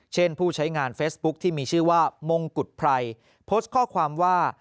ผู้ใช้งานเฟซบุ๊คที่มีชื่อว่ามงกุฎไพรโพสต์ข้อความว่า